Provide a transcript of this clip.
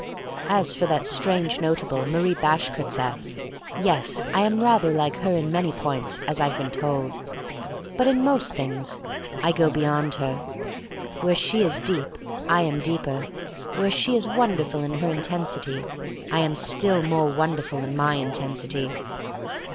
As for that strange notable, Marie Bashkirtseff , yes, I am rather like her in many points, as Tve been told. But in most things I go beyond her. Where she is deep, I am deeper. Where she is wonderful in her inten sity, I am still more wonderful in my intensity.